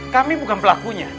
kami bukan pelakunya